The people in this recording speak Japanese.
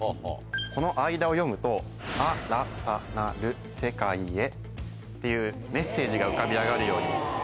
この間を読むと「あらたなるせかいへ」っていうメッセージが浮かび上がるように。